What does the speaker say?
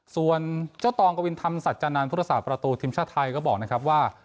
ส่วนเจ้าตองกวินธรรมสัจจานันพุทธศาสตประตูทีมชาติไทยก็บอกนะครับว่า